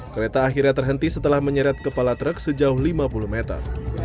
kereta akhirnya terhenti setelah menyeret kepala truk sejauh lima puluh meter